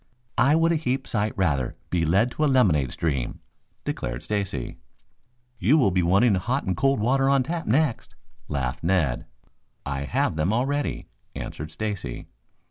"I would a heap sight rather be led to a lemonade stream," declared Stacy. "You will be wanting hot and cold water on tap next," laughed Ned. "I have them already," answered Stacy.